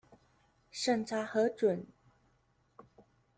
審查核准